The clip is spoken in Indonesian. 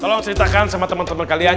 tolong ceritakan sama teman teman kalian